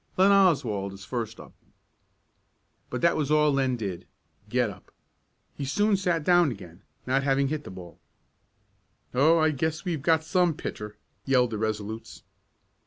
Len Oswald is first up." But that was all Len did get up. He soon sat down again, not having hit the ball. "Oh, I guess we've got some pitcher!" yelled the Resolutes.